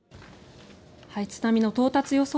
津波の到達予想